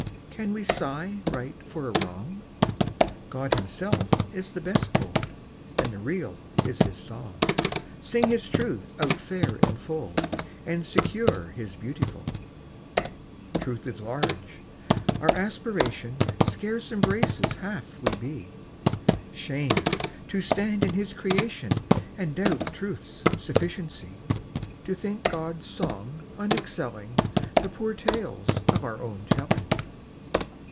Can we sigh right for a wrong ? God Himself is the best Poet, And the Real is His song. Sing His Truth out fair and full, And secure His beautiful. Truth is large. Our aspiration Scarce embraces half we be. Shame ! to stand in His creation And doubt Truth's sufficiency! To think God's song unexcelling The poor tales of our own telling.